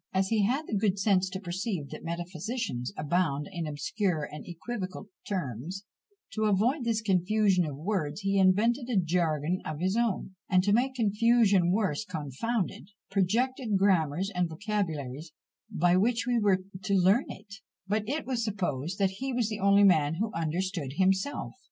As he had the good sense to perceive that metaphysicians abound in obscure and equivocal terms, to avoid this "confusion of words," he invented a jargon of his own; and to make "confusion worse confounded," projected grammars and vocabularies by which we were to learn it; but it is supposed that he was the only man who understood himself.